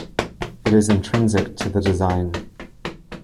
It is intrinsic to the design.